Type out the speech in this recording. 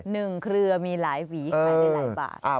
หนึ่งเครือมีหลายปีค่ะมีหลายบาท